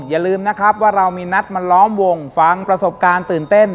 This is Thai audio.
อย่าลืมนะครับว่าเรามีนัดมาล้อมวงฟังประสบการณ์ตื่นเต้น